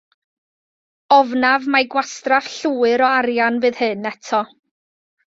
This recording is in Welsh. Ofnaf mai gwastraff llwyr o arian fydd hyn eto.